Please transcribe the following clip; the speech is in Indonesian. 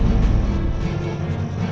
tidak ada satu